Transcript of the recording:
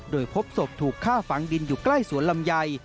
โดยพบศพถูกฆ่าฝังดินอยู่ใกล้สวนลำไย